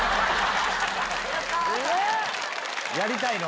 やりたいの？